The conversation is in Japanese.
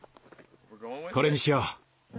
これにしよう。